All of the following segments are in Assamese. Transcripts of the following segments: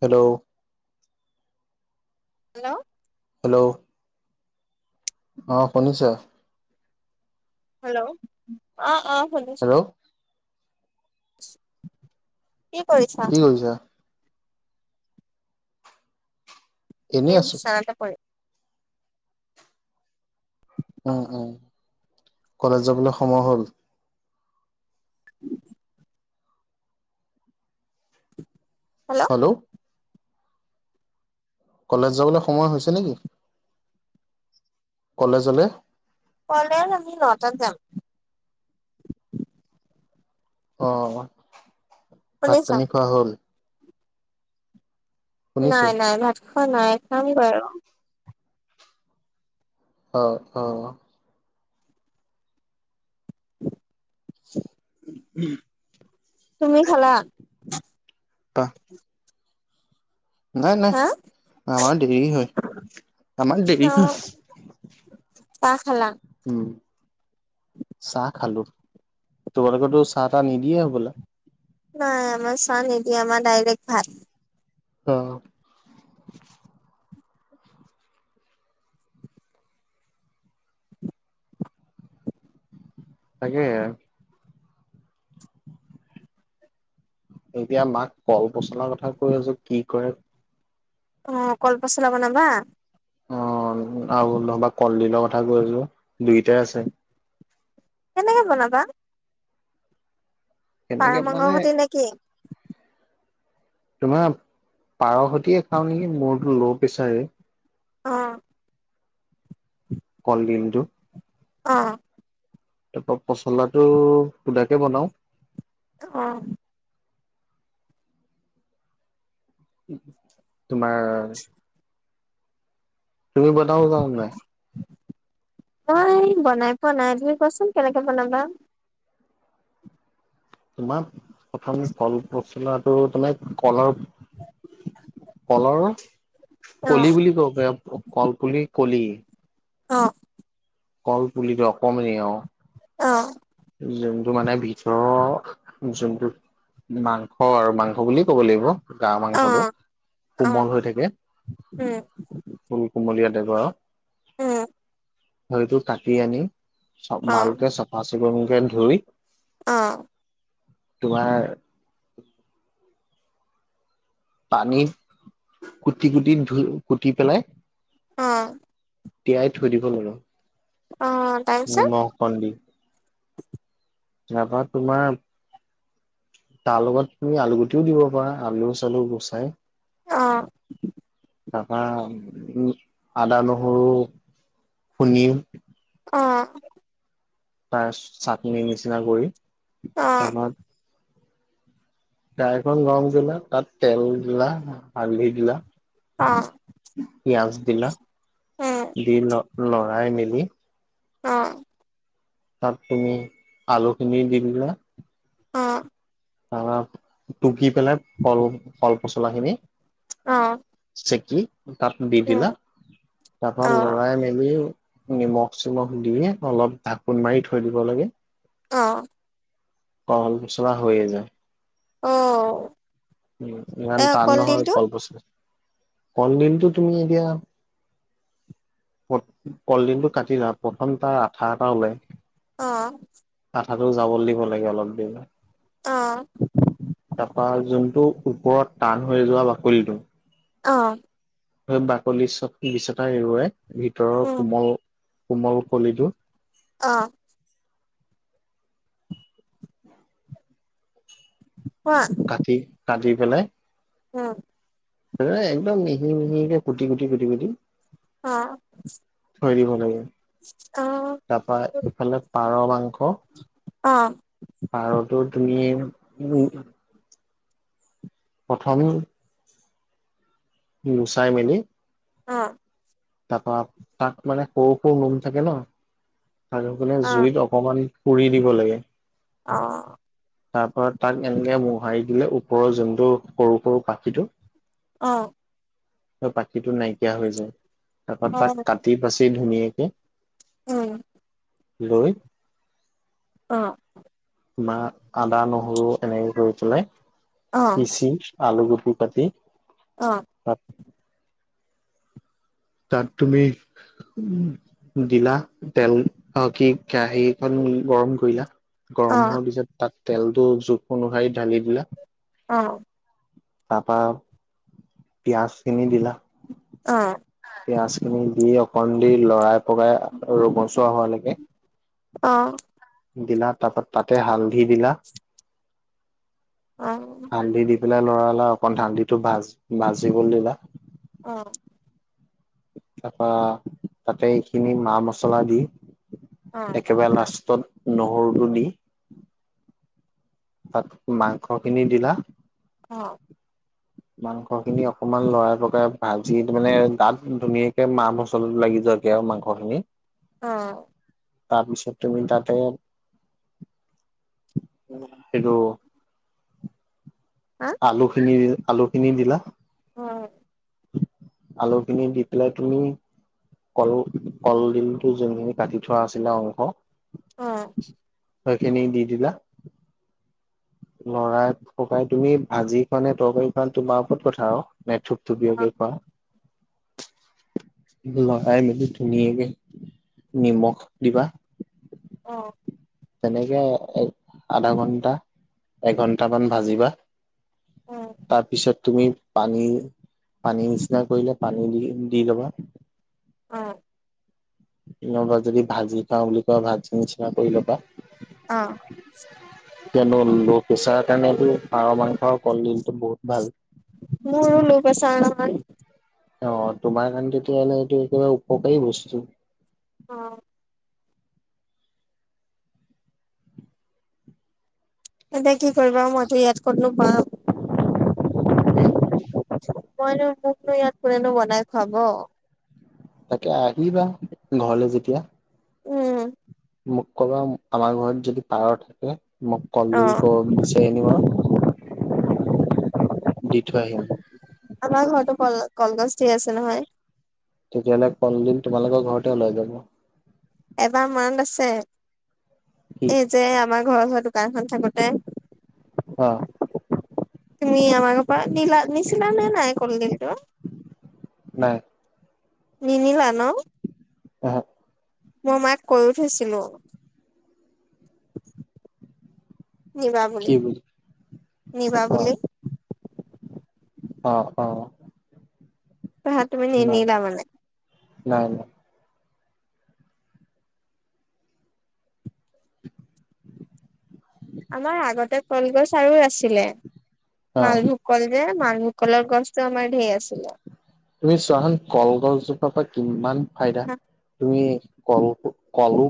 হেল্ল হেল্ল [unintelligible] অ', শুনিছা। হেল্ল অ', শুনিছো হেল্ল' কি কৰিছা? এনেই এই আছো বিচনাত পৰি উম উম কলেজ যাবলৈ সময় হ'ল [inaudible] হেল্ল কলেজ যাবলৈ সময় হৈছে নেকি কলেজলে কলেজ আমি নটাত যাম অ', ভাত শুনিছা পানী খোৱা হ'ল শুনিছো নাই নাই ভাত খোৱা নাই খাম গৈ আৰু অ', অ' [unintelligible] তুমি খালা [inaudible] নাই নাই হা আমাৰ দেৰি হয় আমাৰ দেৰি অ হয় চাহ খালা? উম। চাহ খালো তোমালোকৰটো চাহ-তাহ নিদিয়ে হ'বলা। নাই আমাৰ চাহ নিদিয়ে আমাৰ ডাইৰেক্ট ভাত। আহ। তাকে। এতিয়া মাক কল পচলাৰ কথা কৈ আছো কি কৰে। অ', কল পচলা বনাবা। অ', আৰু নহবা কলডিলৰ কথা কৈ আছো দুইোটাই আছে। কেনেকে বনাবা? পাৰ সেনেকে মানে মাংসৰ সতে নেকি? তোমাৰ পাৰ সতিয়ে খাওঁ নেকি মূৰতো ল' প্ৰেছাৰে। অ'। কলদিলটো। অ'। তাৰপা পচলাটো শুদাকে বনাও। অ'। তোমাৰ তুমি বনাব জানা নে নাই? মই বনাই পোৱা নাই তুমি কোৱাচোন কেনেকে বনাবা? তোমাৰ প্ৰথম কলপচলাটো তমে কলৰ [unintelligible] কলৰ অ কলি বুলি কব পাৰি কলপুলি কলি। অ'। কল পুলিটো অকমানি আৰু। অ'। যোনটো মানে ভিতৰৰ যোনটো মাংস আৰু মাংস বুলিয় ক'ব লাগিব। গা অ মাংসটো অ কোমল হৈ থাকে। উম ফুল কুমলীয়া টাইপৰ আৰু। উম হেইটো কাটি আনি চ অ ভালকে চাফা চিকুণকে ধুই অ'। তোমাৰ পানীত কুটি কুটি ধুই কুটি পেলাই অ'। তিয়াই থৈ দিব লাগে অ', তাৰপিছত নিমখ অকণ দি তাৰপা তোমাৰ তাৰ লগত তুমি আলুগুটিও দিব পাৰা আলু চালু গুচাই। আহ। তাৰ পৰা উ আদা নহৰু খুন্দি। অ'। তাৰ চাটনি নিচিনা কৰি অ', তাৰপত তাৱাখন গৰম কৰিলা তাত তেল দিলা। হালধি দিলা অ', পিয়াজ দিলা উম, দি লৈ লৰাই মেলি অ'। তাত তুমি আলুখিনি দি দিলা। অ'। তৰপা টুকি পেলাই কল কল পচলা খিনি চেকি তাত দি উম, দিলা তাৰ পৰা অ', লৰাই মেলিও নিমখ চিমখ দি অলপ ঢাকোন মাৰি থৈ দিব লাগে। অ'। কল পচলা হৈয়েই যায়। অ'। উম, ইমান এ টান নহয় কলডিলটো কল পচ কলদিলটো তুমি এতিয়া কলডিলটো কাটিলা, প্ৰথম তাৰ আঠা এটা ওলাই। অহ। আঠাটো যাবলে দিব লাগে অলপ দেৰি। অহ। তাৰপৰা যোনটো ওপৰত টান হৈ যোৱা বাকলিটো অহ। বাকলি চব গিচতা এৰুৱাই, ভিতৰৰ উম, কোমল কোমল কলিটো অহ। উ কাটি, কাটি পেলাই উম। এই, একদম মিহি মিহিকে কুটি, কুটি, কুটি, কুটি অহ। থৈ দিব লাগে, তাৰপৰা ইফালে পাৰ মাংস অ', পাৰতো তুমিয়েই, উম প্ৰথম, গুচাই মেলি অহ। তাৰপৰা, তাত মানে সৰু সৰু নোম থাকে ন'। মানে অ', জুইত অকমান পুৰি দিব লাগে। অহ। তাৰপৰা তাক এনেকে মোহাৰি দিলে, ওপৰৰ যোনটো সৰু সৰু পাখিটো অহ। পাখিটো নাইকিয়া হৈ যায়, তাৰপৰা অ তাক কাটি বাচি ধুনীয়াকে উম। লৈ অহ। বা আদা নহৰু এনেকে কৰি পেলাই পিচি আলু দুটোকুৰ কাতি অহ। তাত তুমি দিলা, তেল, অ' কি? কেৰাহিখন গৰম কৰিলা। গৰম অ', হোৱাৰ পিছত, তাত তেলটো জোখ অনুসৰি ঢালি দিলা। অহ। তাৰাপা পিয়াজ খিনি দিলা। অহ। পিয়াঁজ খিনি দি অকণ দেৰি লৰাই পকাই ৰঙচুৱা হোৱালৈকে অহ। দিলা, তাৰপৰা তাতেই হালধি দিলা। অহ। হালধি দি পেলাই লৰালা অকন ধালিটো ভাজ, ভাজিব দিলা। অহ। তাৰপা তাতেই এইখিনি মা-মচলা দি একেবাৰে লাষ্টত নহৰুটো দি তাত মাংস খিনি দিলা। অ'। মাংস খিনি অকমান লৰাই লগৰা ভাজি মানে গত ধুনীয়াকে মাহ মচলত লাগি যায়। মাংসখিনি তাৰপিছত তুমি তাতে সেইটো আলুখিনি, আলুখিনি দিলা। অ', আলুখিনি দি পেলাই তুমি কল কলডিলটো যে কাটি থোৱা আছিলে অংশ। অ'। খেইখিনি দি দিলা। লৰাই ককাই তুমি ভাজি খোৱানে তৰকাৰী খোৱাে তোমাৰ ওপৰত কথা আৰু। ম থুপ থুপ কে খোৱা। [inaudible] লৰাই মেলি ধুনীয়াকে, নিমখ দিবা। অ'। তেনেকে এ আধা ঘন্টা, এঘন্টামান ভাজিবা। তাৰপিছত তুমি পানী পানী নিচিনা কৰিলে পানী দি দি লবা। উম। কবা যদি ভাজি খাওঁ বুলি কোৱা ভাজি নিচিনা কৰি ল'বা। অ'। কিয়নো ল' প্ৰেছাৰৰ কাৰণেতো পাৰ মাংস কলডিলটো বহুত ভাল। মোৰো লো পেছাৰ নহয়। অ' তোমাৰ কাৰণটোতোলে এইটো একেবাৰে উপকাৰী বস্তু। উম। এতিয়া কি কৰিবা মইতো ইয়াত কতনো পাম। হম। মইনো মোকনো ইয়াত কোনেনো বনাই খুৱাব। তাকে, আহিবা ঘৰলৈ যেতিয়া। উম। মোক ক'বা আমাৰ ঘৰত যদি পাৰৰ থাকে মোক অ কলডিল ক বিচাৰি নিব আৰু। দিঠই আহিবা। আমাৰ ঘৰতো কল কলগছ ধেৰ আছে নহয়। তেতিয়াহলে কলদিন তোমালোকৰ ঘৰতে ওলাই যাব। এবাৰ মনত আছে, কি এই যে আমাৰ ঘৰৰ ওচৰত কাৰখন থাকোতে। অ'। তুমি আমাৰ ক পৰা নিচিলা নে নাই কলদিলটো? নাই। নিনিলা ন। অ'। মই মাক কৈ থৈছিলো। নিবা বুলি, নিবা অ বুলি। অ' অ'। তাত তুমি নাই নিনিলা মানে? নাই নাই। আমাৰ আগতে কলগছ আৰু আছিলে, অ মালভোক যে মালভোগকলৰ গছ ধেৰ আছিলে। তুমি চোৱাহুন কলগছজোপা পা কিমান ফাইদা তুমি কল কলু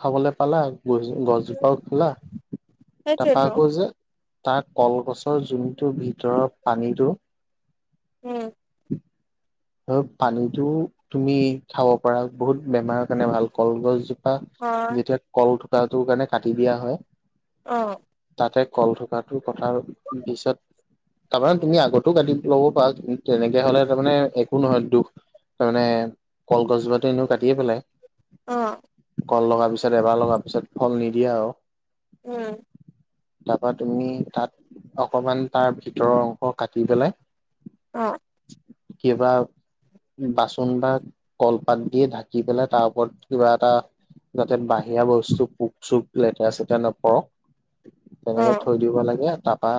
খাবলৈ পালা গছ গছজোপাও খলা তাৰপৰা সেইটোৱেতো আকৌ যে তাৰ কলগছৰ জুনটো ভিতৰৰ পানীটো উম আৰু পানীতো তুমি খাব পাৰা বহুত বেমাৰৰ কাৰণে ভাল কলগছ হয় যেতিয়া কল থোকাটোৰ কাৰণে কাটি দিয়া হয় আহ তাতে কল থকাটো কথাৰ পিছত তাৰমানে তুমি আগতো কাটি ল'ব পাৰা তেনেকে হলে তাৰমানে নহয় দুখ তাৰ মানে কলগছোপাতো এনেও কাটিয়ে অ পেলাই কল লগা পিছত এবাৰ লগাৰ পিছত ফল নিদিয়ে আৰু উম তাৰপা তুমি তাত অকমান তাৰ ভিতৰৰ অংশ কাটি পেলাই অ কিবা বাচন বা কলপাত দি ঢাকি পেলাই তাৰ ওপৰত কিবা এটা যাতে বাহিৰা বস্তু পোক চোক লেতেৰা চেতেৰা নপৰক অ তেনেকে থৈ দিব লাগে তাত বা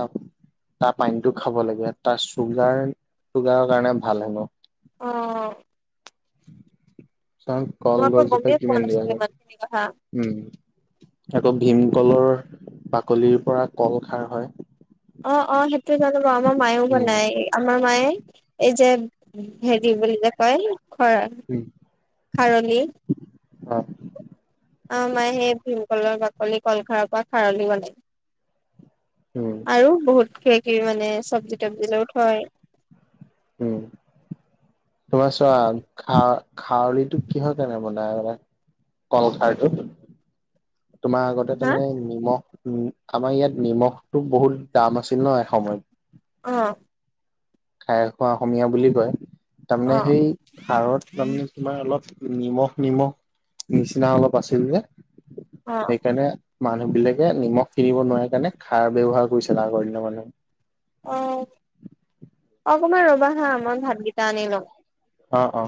তাৰ পানীটো খাব লাগে তাৰ চুগাৰ তুগাৰৰ কাৰণে ভাল হেনো অ চ মই আকৌ কলগছ জোপাই গমেই পোৱা কিমান দিয়া নাছিলো হয় ইমান খিনি কথা উম আকৌ ভীমকলৰ বাকলিৰ পৰা কল খাৰ হয় অ অ সেইটো জানো মই আমাৰ মায়েও উম বনায় আমাৰ মায়ে এই যে হেৰি বুলি যে কয় খৰা উম খাৰলি অ আমা মায়ে সেই ভীমকলৰ বাকলি কলখাৰৰ পৰা খাৰলি বনাই উম আৰু বহুত কিবা- কিবি মানে চবজি-তবজি লৈও থয় উম তোমাৰ চোৱা খা খাৰলিটো কিহৰ কাৰনে বনাই মানে কলখাৰটো তোমাৰ আগতে তাৰ হা মানে নিমখ উ আমাৰ ইয়াত নিমখটো বহুত দাম আছিল ন এসময়ত অ খাৰ খোৱা অসমীয়া বুলি কয় তাৰমানে অ সেই খাৰত তাৰমানে তোমাৰ অলপ নিমখ নিমখ নিচিনা অলপ আছিল যে অ সেইকাৰণে মানুহ বিলাকে নিমখ কিনিব নোৱাৰে কাৰণে খাৰ ব্যৱহাৰ কৰিছিলে আগৰ দিনৰ মানুহে অ অকমান ৰবা হা মই ভাতকেইটা আনি লওঁ অ অ